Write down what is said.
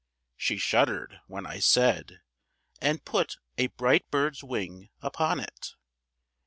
She shuddered when I said, "And put a bright bird's wing upon it."